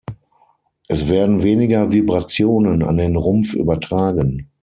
Es werden weniger Vibrationen an den Rumpf übertragen.